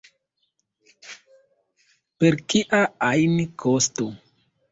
Per kia ajn kosto.